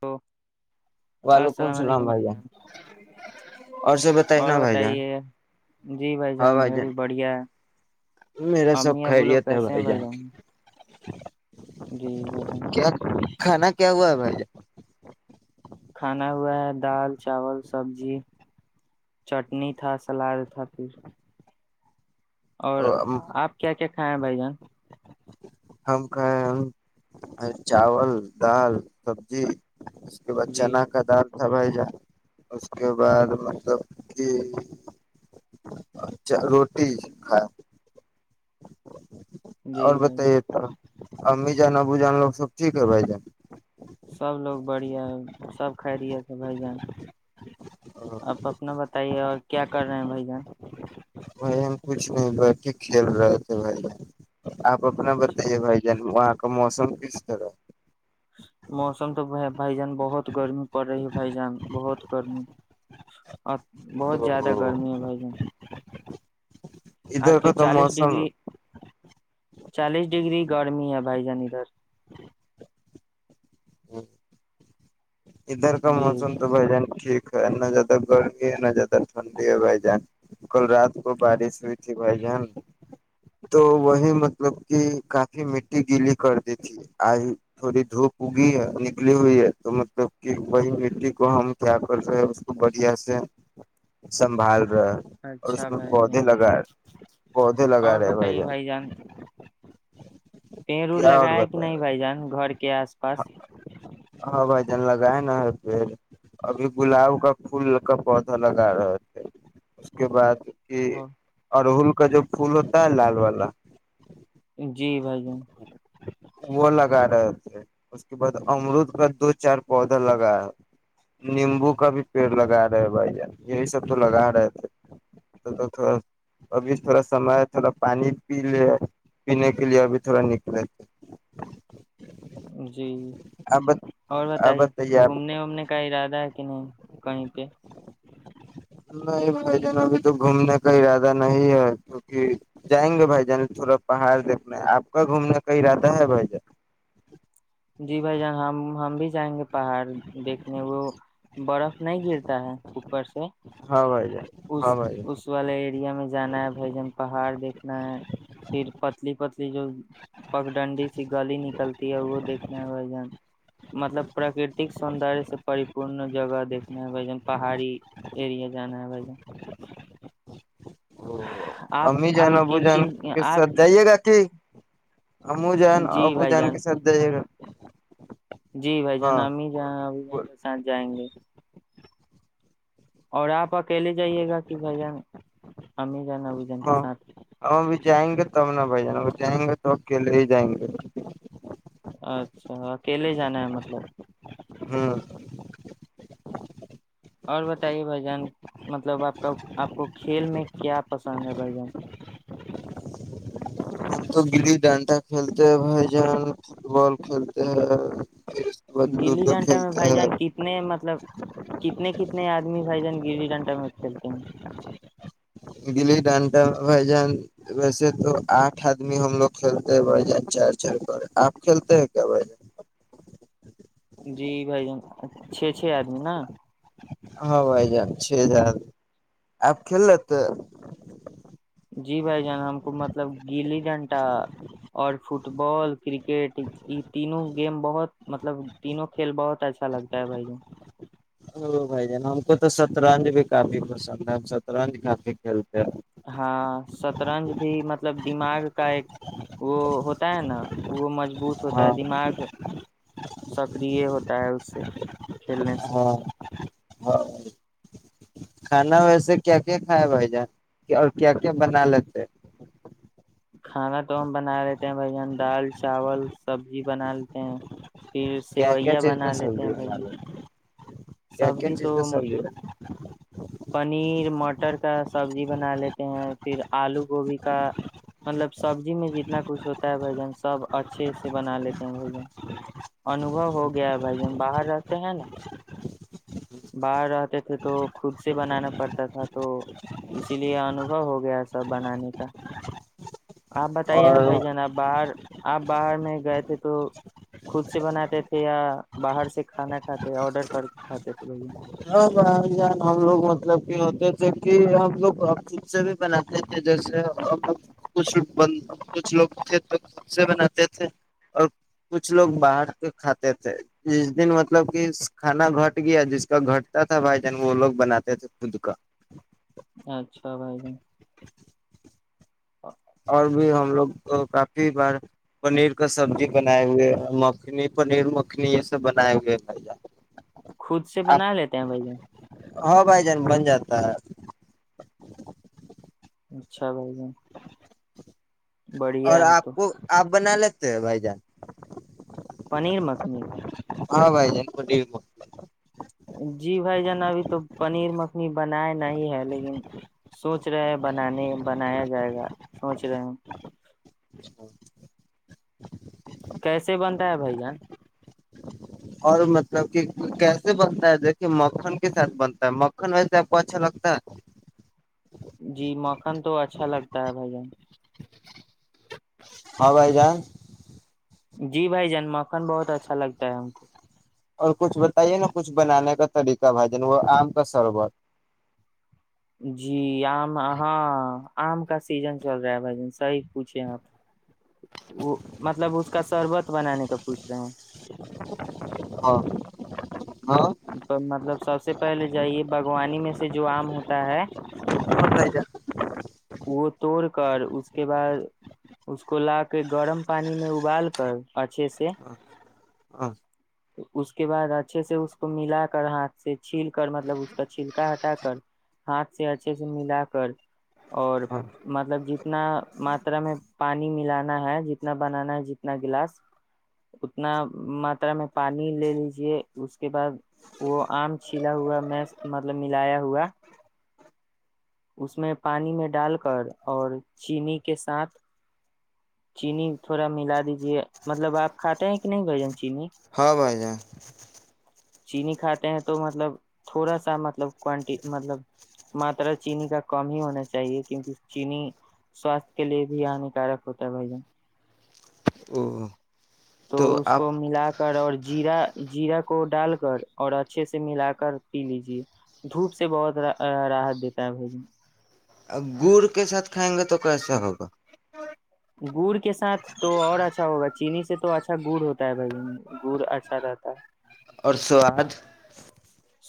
تو وعلیکم السلام علیکم بھائی بھیا جان اور بتائیے جی بھائی جان میرا بھی بڑھیا ہے میرا سب امی ابو لوگ خیریت ہے کیسے ہیں بھائی جان [inaudible] جی ب جن کیا کھانا کی ہوا ہے بھائی کھانا ہوا ہے دال چاول سبزی چٹنی تھا سلاد تھا پھر اور جان آپ کیا کیا ہاں بھ جان ہم کھیں ہم چاول دال سبزی اس کے بعد جی چنا کا دال تھا بھائی جان اس کے بعد مطلب کہ روٹی کائے جی اور بھائی جان بتائیے تو امیی جان ابو جان لوگ سب ٹھیک ہے ب ج سب لوگ بڑیا سب کائی رہیے س بھجن آپ اپنا بتائیے اور کیا کر رہے ہیں بھائی جان بھائی ہم کچھ نہیں بٹ کھیل رہے تھے بھائی آپ اپنا اچھا بتائیے بھائی جان وہاں کا تو موسم کس طرح موسم تو بھائی جان بہت گرمی پڑ رہی ہے بھائی جان بہت گرمی اور بہت زیادہ او گرمی ہے بھائی جان آ ادھر تو کا چالیس موسم ڈگری چالیس ڈگری گرمی ہے بھائی جانی اچ ہ ادھر کا جی موسم تو بھ جان کھی نہ زیادہ گرمی ہے نہ زیادہ ٹنڈی ہے بھائی جان کل رات کو بارش ہوئی تھی بھائی جان تو وہی مطلب کہ کافی مٹی گیلی کرتی تھی آج تھوڑی دھوپ اگی ہے نکلی ہوئی ہے تو مطلب کہ وہی مٹی کو ہم کیا کر رہے اس کو بڑھیا سے سنبھال ا اور اس اچھا میں بھائی پودے جان لگا پودے لگا اور رہے ہو ج بتائیے بھائی جان پیڑ اڑ لگایا کہ نہیں بھائی جان گھر کے آس پاس ہاں بھائی جان لگا لگائے نہ پ ابھی گلاب کا پھول کا پودا لگا رہے تھے اس کے بعد کہ رل کا جو پھول ہوتا ہے لال والا جی بھائی وہ لگا رہے تھے اس کے بعد امرد کا دو چار پودا لگا نیمبو کا بھی پیڑ لگا رہے بھ جان یہی سب تو لگا رہے تھے تھڑا ابھی تھوڑا سمے تھوڑا پانی پی لے پینے کے لیے ابھی تھوڑا نکلے تھ جی اور پت آپ ہی بتائیے آپ گھومنے وومنے کا ارادہ ہے کہ نہیں کہیں پہ نہیں بھائی جان ابھی تو گھومنے کا ارادہ نہیں ہے کیونکہ جائیں گے بھائی جان تھوڑا پہاڑ دیکھنا آپ کا گھومنے کا ارادہ ہے بھائی جان جی بھائی جان ہم ہم بھی جائیں گے پہاڑ دیکھنے وہ برف نہیں گرتا ہے اوپر سے ہاں بھائی جان ہاں بھائی جان یا میں جانا ہے بھجن پہاڑ دیکھنا ہے پھر پتلی پتلی جو پگ ڈنڈی سی گلی نکلتی ہے وہ دیکھ ئے ج مطلب پراکرتک سوندر سے پریپورن جگہ دیکنا ہوئے ج پہاڑی ارییا جانا ہے ہے امی جان ابو کن جان کن کے آپ ساتھ جائیے گا تھی [unintelligible] [inaudible] ابو جان جی ابو بھائی جان کے ساتھ جائیے گا جی بھائی ہاں جانام ہی جانیں ابھی کے ساتھ جائیں گے اور آپ اکیلے جائیے گا کہ بھ جان امی جان ابو جان کے ہاں ساتھ ہمب جائیں گے تب نہ بھ جان جائیں گے تو اکیلے ہی جائیں گے اچھا اکیلے جانا ہے مطلب ہوں اور بتائیے بھائی جان مطلب آپ کا آپ کو کھیل میں کیا پسند ہے بھائی جان تو بلیی ڈانڈا کلتے ہے بھائی جان فٹبال کلتے ہے گلی ڈنٹا میں بھائی جان کتنے مطلب کتنے کتنے آدمی بھائی جان گ گھنٹہ میں کھیلتے ہیں گلی ڈانٹا میں بھائی جان ویسے تو آٹھ آدمی ہم لوگ کھیلتے ہیں بھائی جان چار چار کر آپ کھیلتے ہیں کیا بھائی جان جی بھائی جان چھ چھ آدمی نا ہاں وائی جان چھزار آپ کھیل لتے جی بھائی جان ہم کو مطلب گلی ڈنٹا اور فٹ بال ک کرکٹ یہ تینوں گیم بہت مطلب تینوں کھیل بہت اچھا لگتا ہے بھائی ا بھائی جان ہم کو تو شطرنج بھی کافی پسند ہے ہم شطرنج کافی کھیلتے ہیں ہاں سطرنج بھی مطلب دماغ کا ایک وہ ہوتا ہے نا وہ مج بت ہوتا ہے ہاں دماغ سکریہ ہوتا ہے اس سے کھیلنے سے ہاں ہاں کھانا ویسے کیا کیا کھائے بھائی جان اور کیا کیا بنا لیتے کھانا تو ہم بنا لیتے ہیں بھ جان دال چاول سبزی بنا لیتے ہیں پھر کیا کیا سیوئیا چک بنا لیتے سد ہیں بھائی جان کیا کیا سبزی چک تو سلجا پنیر مٹر کا سبزی بنا لیتے ہیں پھر آلو گوبھی کا مطلب سبزی میں جتنا کچھ ہوتا ہے بھ جن سب اچھے سے بنا لیتے ہیں بھائی جن انوبو ہو گیا ہے بھ جن باہر رہتے ہیں نا باہر رہتے تھے تو خود سے بنانا پڑتا تھا تو اسی لیے انوبو ہو گیا سب بنانے کا آپ بتائیے نا اور بھائی جان آپ باہر آپ باہر میں گئے تھے تو خود سے بناتے تھے یا باہر سے کھانا کھاتے آڈر کر کھاتے تھے لے ہاں جان ہم لوگ مطلب کہ ہوتے تھے کہ ہم لوگ ا خود سے بھی بناتے تھے جیسے ہم لوگ کچھ کچھ لوگ تھے تو خود سے بناتے تھے اور کچھ لوگ باہر کے کھاتے تھے جس دن مطلب کہ کھانا گھٹ گیا جس کا گھٹتا تھا بھائی جان وہ لوگ بناتے تھے خود کا اچھا بھائی جن اور بھی ہم لوگ کافی بار پنیر کا سبزی بنائے ہوئے مکھنی پنیر مکھنی یہ سب بنائے ہوئے ہے بھا خود سے بنا لیتے ہیں بھائی جن ہاں بھائی جان بن جاتا ہے اچھا بھائی ج اور آپ کو آپ بناال بائی جان پنیر مکھنی ہاں بھائی جان کو ب جی بھائی جانا ابھی تو پنیر مک بنایا نہیں ہے لیکن سوچ رہے ہیں بنانے بنایا جائے گا سوچ رہے ہیں کیسے بنتا ہے بھیا اور مطلب کہ کیسے بنتا ہے دیکھیے مکھن کے ساتھ بنتا ہے مکھن ویسے آپ کو اچھا لگتا ہے جی مکان تو اچھا لگتا ہے بھائی جان ہاں بائی جا جی بھائی جن مکھن بہت اچھا لگتا ہے ہم کو اور کچھ بتائیے نا کچھ بنانے کا طریقہ بھ جان وہ آم کا سربت جی آم ہاں آم کا سیزن چل رہا ہے بھائی جن صحی پوھے آپ وہ مطلب اس کا شربت بنانے کا پوچھ رہے ہیں ہاں ہاں مطلب سب سے پہلے جے باغوانی میں سے جو آم ہوتا ہے بھائی جان وہ توڑ کر اس کے بعد اس کو لا کے گرم پانی میں ابال کر اچھے سے [unintelligible] اس کے بعد اچھے سے اس کو ملا کر ہاتھ سے چھیل کر مطلب اس کا چھلکا ہٹا کر ہاتھ سے اچھے سے ملا کر اور ہاں مطلب جی اتنا ماترا میں پانی ملانا ہے جتنا بنانا ہے جتنا گلاس اتنا ماترا میں پانی لے لیجے اس اس کے بعد وہ آم چھیلا ہوا میں مطلب ملایا ہوا اس میں پانی میں ڈال کر اور چینی کے ساتھ چینی تھوڑا ملا دیجے مطلب آپ کھاتے ہیں کہ نہیں بھجن چینی ہاں بھائی جان چینی کھاتے ہیں تو مطلب تھوڑا سا مطلب کوانٹی مطلب ماترا چینی کا کم ہی ہونا چاہیے کیونکہ چینی سواستھ کے لیے بھی ہانیکارک ہوتا ہے بھیا او تو اس کو ملا کر اور جیرا جیرا کو ڈال کر اور اچھے سے ملا کر پی لیجے دھوپ سے بہت راحت دیتا ہے بھائی ج اور گڑ کے ساتھ کھائیں گے تو کیسا ہوگا گڑ کے ساتھ تو اور اچھا ہوگا چینی سے تو اچھا گڑ ہوتا ہے بھائی گڑ اچھا رہتا ہے اور سواد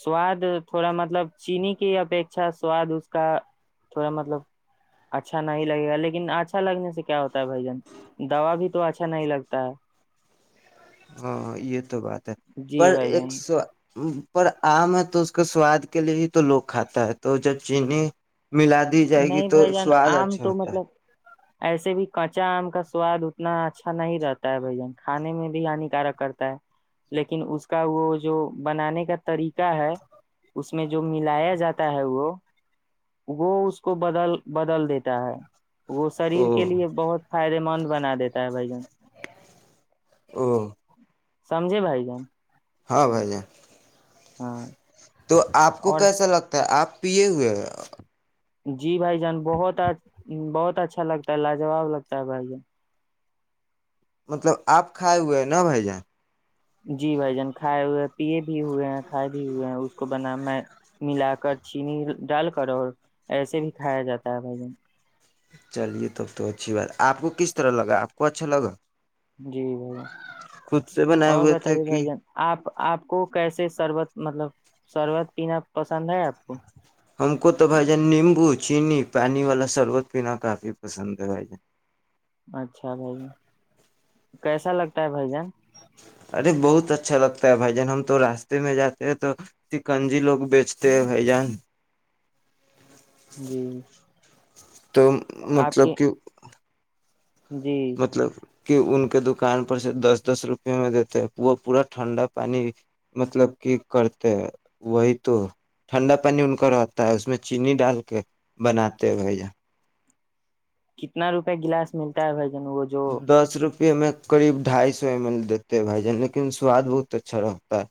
سواد تھوڑا مطلب چینی کی اپیکھا سواد اس کا تھوڑا مطلب اچھا نہیں لگے گا لیکن اچھا لگنے سے کیا ہوتا ہے بھ جن دوا بھی تو اچھا نہیں لگتا ہے عید تو بات ہے پر جی بھائی ایک جان سو پر آم ہے تو اس کے سواد کے لیے ہی تو لوگ کھاتا ہے تو جب چینی ملا دی جائے گی نہیں تو بھائی جان سواد آم اچھا تو ہوتا ہے مطلب ایسے بھی کچا آم کا سواد اتنا اچھا نہیں رہتا ہے بھ جن کھانے میں بھی ہان کارک کرتا ہے لیکن اس کا وہ جو بنانے کا طریقہ ہے اس میں جو ملایا جاتا ہے وہ وہ اس کو بدل بدل دیتا ہے وہ شریر کے او لیے بہت فائدے مند بنا دیتا ہے بھائی جن ا سمجھے بھائی جم ہاں بھائی جان ہاں تو آپ کو اور کیسا لگتا ہے آپ پ یہ ہوئے جی بھائی جان بہت بہت اچھا لگتا ہے لاجواب لگتا ہے بھائی جان مطلب آپ کھائے ہوئے ہیں نا بھائی جان جی بھائی جان کھائے ہوئے پیے بھی ہوئے ہیں کھائے بھی ہوئے ہیں اس کو بنا میں ملا کر چینی ڈال کر اور ایسے بھی کھایا جاتا ہے بھائی جن چلیے تب تو اچھی بات آپ کو کس طرح لگا آپ کو اچھا لگا جی بھائی ج خود سے بنائے اور ہوئے تھے بتائیے بھائی کہ جان آپ آپ کو کیسے سربت مطلب شربت پینا پسند ہے آپ کو ہم کو تو بھائی جان نیمبو چینی پانی والا شربت پینا کافی پسند ہے بھائی جان اچھا بھائی جن کیسا لگتا ہے بھائی جان ارے بہت اچھا لگتا ہے بھائی جان ہم تو راستے میں جاتے ہیں تو سکنجی لوگ بیچتے ہیں بھائی جان جی تو آپ مطلب کی کہ جی مطلب کہ ان کے دکان پر سے دس دس روپے میں دیتے وہ پورا ٹھنڈا پانی مطلب کہ کرتے وہی تو ٹھنڈا پانی ان کا رہتا ہے اس میں چینی ڈال کے بناتے بھیا کتنا روپئے گلاس ملتا ہے بھائی جان وہ جو دس روپے میں قب ڈھائی سو ایم ایل دیتے ہیں بھائی جان لیکن سواد بہت اچھا رہتا ہے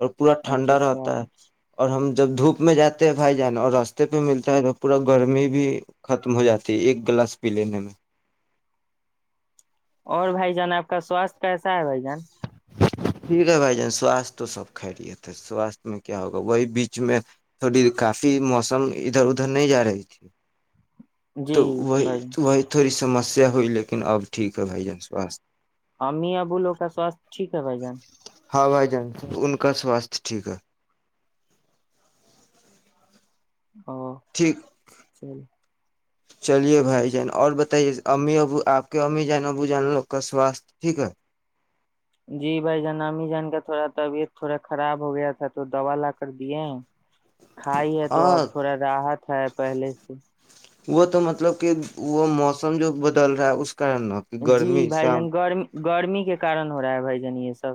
اور پورا ٹھنڈا اچھا رہتا سب ہے اور ہم جب دھوپ میں جاتے ہیں بھائی جان اور راستے پہ ملتا ہے تو پورا گرمی بھی ختم ہو جاتی ہے ایک گلاس پی لینے میں اور بھائی جان آپ کا سواستھ کیسا ہے بھائی جان ٹھیک ہے بھائی جان سوستھ تو سب کھہ رہیے تھے سواستھ میں کیا ہوگا وہی بیچ میں تھوڑی کافی موسم ادھر ادھر نہیں جا رہی تھی جی تو وہ بھائی و تھڑ س سمسیا ہوئی لیکن اب ٹھ ہے بھائی جان سواھ ہم ابوولو کا سواست ٹھیک ہے بائی جان ہاں بھائی جان ان کا سواستھ ٹھیک ہے ہ ٹھیک چل چلیے بھائی جان اور بتائیے امی ابو آپ کے امی جان ابو جان لوگ کا سواستھ ٹھیک ہے جی بھائی جان امی جان کا تھوڑا طبیعت تھوڑا خراب ہو گیا تھا تو دوا لا کر دی ہیں کھائی ہے تو اب ہاں تھوڑا راحت ہے پہلے سے وہ تو مطلب کہ وہ موسم جو بدل رہا ہے اس کارن نا کہ جی گرمی بھائی شام جان گر گرمی کے کارن ہو رہا ہے بھائی نی یہ سب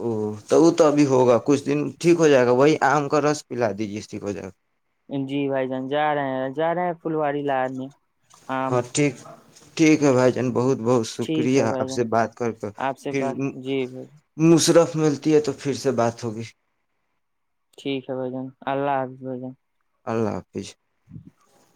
او تو وہ تو ابھی ہوگا کچھ دن ٹھیک ہو جائے گا وہی آم کا رس پلا دیجیے ٹھیک ہو جائے گا جی بھائی جان جا رہے ہیں جا رہے ہیں فلواری لا نے آم ہاں ٹھیک ٹھیک ہے بھائی جان بہت بہت ٹھیک شکریہ ہے بھائی آپ سے جان بات کر کر آپ سے پھر بات جی بھائی مصرف ملتی ہے تو پھر سے بات ہوگی ٹھیک ہے بھ جن اللہ حافظ بھ جن اللہ حافظ ج [unintelligible]